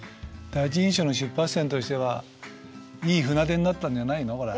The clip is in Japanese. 第一印象の出発点としてはいい船出になったんじゃないの？